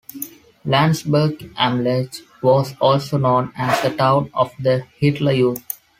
Landsberg am Lech was also known as the town of the Hitler Youth.